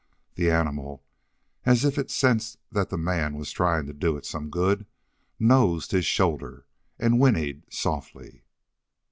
The animal, as if it sensed that the man was trying to do it some good, nosed his shoulder and whinnied softly.